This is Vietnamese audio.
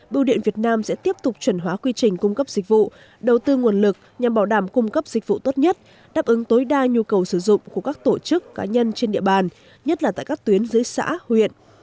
bưu điện việt nam sẽ tiếp tục chuẩn hóa quy trình cung cấp dịch vụ đầu tư nguồn lực nhằm bảo đảm cung cấp dịch vụ tốt nhất đáp ứng tối đa nhu cầu sử dụng của các tổ chức cá nhân trên địa bàn nhất là tại các tuyến dưới xã huyện